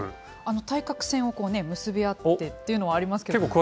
対角線を結び合ってというのはありますけど。